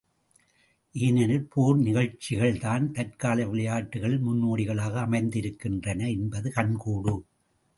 ஏனெனில், போர் நிகழ்ச்சிகள்தான் தற்கால விளையாட்டுக்களின் முன்னோடிகளாக அமைந்திருக்கின்றன என்பது கண் கூடு.